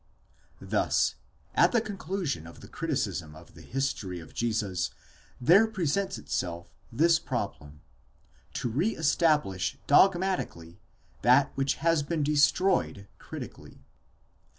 Thus at the conclusion of the criticism of the history of Jesus, there presents itself this problem: to re establish dogmatically that which has been destroyed critically.